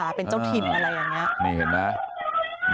เหมือนเป็นแบบอัลฟ้าเป็นเจ้าถิ่นอะไรแบบนี้